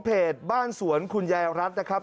บ้านสวนคุณยายรัฐนะครับ